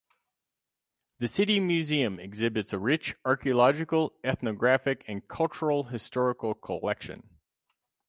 The city museum exhibits a rich archaeological, ethnographic and cultural-historical collection.